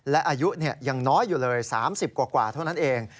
และอายุยังน้อยอยู่เลย๓๐กว่าเท่านั้นเอง